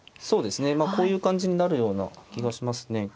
そうですねこういう感じになるような気がしますね。